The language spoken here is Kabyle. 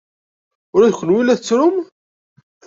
Ula d kenwi la tettrum?